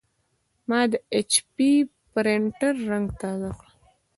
ما د ایچ پي پرنټر رنګ تازه کړ.